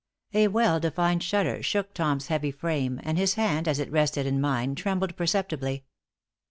A well defined shudder shook Tom's heavy frame, and his hand, as it rested in mine, trembled perceptibly.